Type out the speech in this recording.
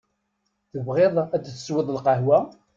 Tebɣiḍ ad tesweḍ lqahwa?